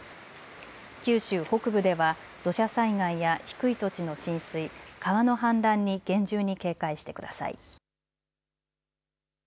九州北部では土砂災害や低い土地の浸水、川の氾濫に厳重に警戒してください。